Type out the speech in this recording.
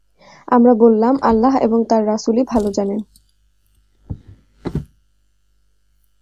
আমরা বললাম, আল্লাহ এবং তাঁর রাসূলই ভালো জানেন।